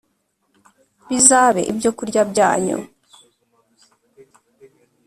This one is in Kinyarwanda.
bizabe ibyokurya byanyu.